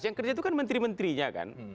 yang kerja itu kan menteri menterinya kan